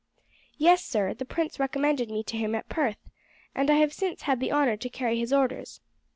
"Yes, sir, the prince recommended me to him at Perth, and I have since had the honour to carry his orders."